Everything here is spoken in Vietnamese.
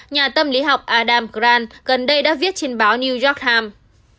nhà tâm lý học adam gran gần đây đã viết trên báo new york times